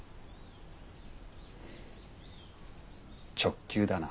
直球だな。